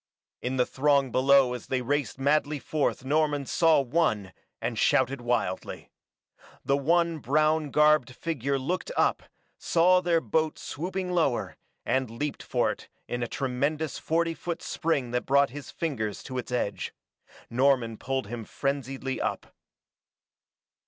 In the throng below as they raced madly forth Norman saw one, and shouted wildly. The one brown garbed figure looked up, saw their boat swooping lower, and leaped for it in a tremendous forty foot spring that brought his fingers to its edge. Norman pulled him frenziedly up.